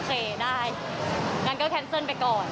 ได้งั้นก็แคนเซิลไปก่อน